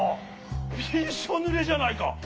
びしょぬれじゃないか。